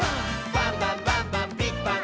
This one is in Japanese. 「バンバンバンバンビッグバン！」